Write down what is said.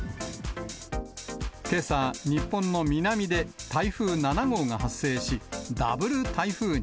けさ、日本の南で台風７号が発生し、ダブル台風に。